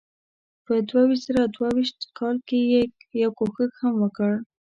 په دوه زره دوه ویشت کال کې یې یو کوښښ هم وکړ.